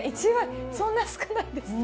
そんな少ないんですね。